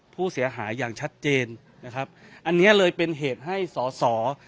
ผู้เสียหายอย่างชัดเจนนะครับอันเนี้ยเลยเป็นเหตุให้สอสอ